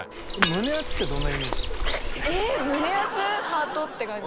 ハートって感じ。